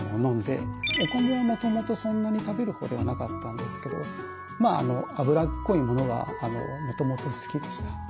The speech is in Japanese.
お米はもともとそんなに食べるほうではなかったんですけど脂っこいものはもともと好きでした。